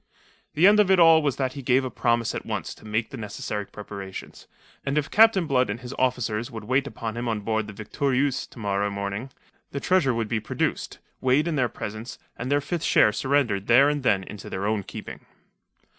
The end of it all was that he gave a promise at once to make the necessary preparations, and if Captain Blood and his officers would wait upon him on board the Victorieuse to morrow morning, the treasure should be produced, weighed in their presence, and their fifth share surrendered there and then into their own keeping.